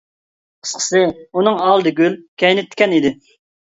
قىسقىسى ئۇنىڭ ئالدى گۈل كەينى تىكەن ئىدى.